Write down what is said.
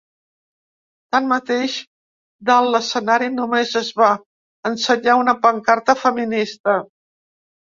Tanmateix, dalt l’escenari només es va ensenyar una pancarta feminista.